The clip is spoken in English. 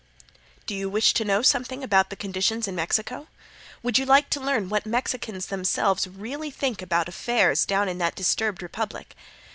Do you wish to know something about conditions in Mexico? Would you like to learn what the Mexicans themselves really think about affairs down in that disturbed republic?